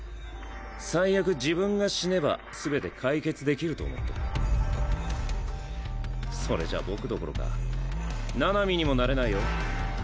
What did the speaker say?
最悪自分が死ねば全て解決できると思ってるあっそれじゃ僕どこ七海にもなれないよ。